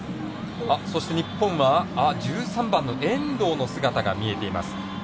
そして、日本は１３番の遠藤の姿が見えています。